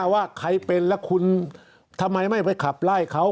ว่าใครเป็นแล้วคุณทำไมไม่ไปขับไล่เขา